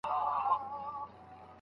ټلفون ته یې زنګ راغی د مېرمني